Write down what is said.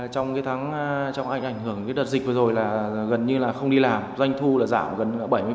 trong cái tháng trong ảnh hưởng đợt dịch vừa rồi là gần như là không đi làm doanh thu là giảm gần bảy mươi